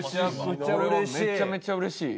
めちゃくちゃうれしい。